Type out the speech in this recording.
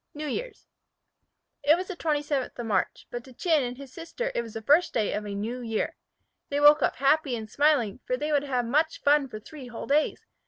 NEW YEAR'S IT was the 27th of March, but to Chin and his sister it was the first day of a new year. They woke up happy and smiling, for they would have much fun for three whole days.